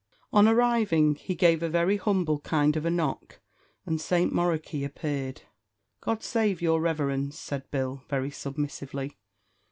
On arriving, he gave a very humble kind of a knock, and St. Moroky appeared. "God save your Reverence!" said Bill, very submissively.